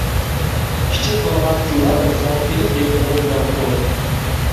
كىچىك بالىغا تىللا بەرسەڭ، ئېلىپ يەيدىغىنى لەڭپۇڭ.